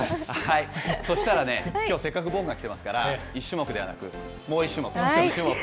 そしたらね、きょうせっかく僕が来てますから、１種目ではなくもう１種目、２種目。